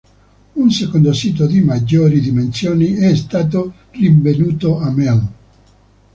Un secondo sito di maggiori dimensioni è stato rinvenuto a Mel.